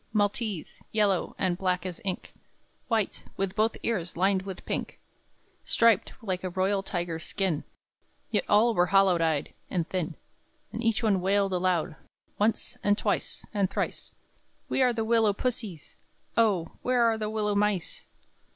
Maltese, yellow, and black as ink; White, with both ears lined with pink; Striped, like a royal tiger's skin; Yet all were hollow eyed, and thin; And each one wailed aloud, Once, and twice, and thrice: "We are the willow pussies; O, where are the willow mice!"